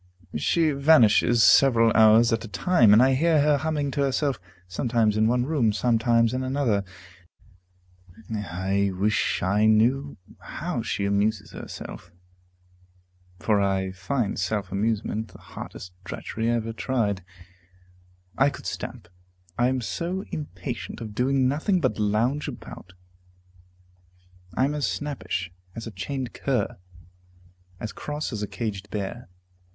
She vanishes several hours at a time, and I hear her humming to herself, sometimes in one room, sometimes in another. I wish I knew how she amuses herself, for I find self amusement the hardest drudgery I ever tried. I could stamp, I am so impatient of doing nothing but lounge about; I am as snappish as a chained cur, as cross as a caged bear.